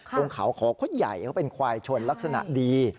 ของเขาใหญ่เขาเป็นควายชนลักษณะดี